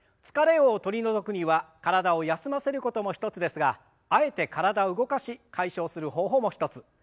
疲れを取り除くには体を休ませることも一つですがあえて体を動かし解消する方法も一つ。